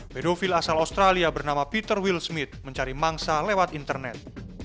pedofil asal australia bernama peter will smith mencari mangsa lewat internet